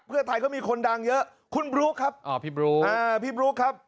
เพื่อไทยก็มีคนดังเยอะคุณบรูซครับอ่อพี่บรูซอ่า